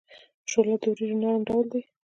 شوله د وریجو نرم ډول دی.